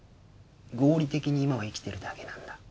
合理的に今を生きてるだけなんだ。